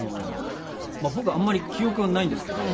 僕あんまり記憶はないんですけど。